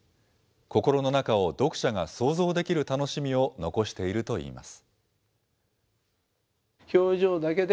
心の中を読者が想像できる楽しみを残しているといいます。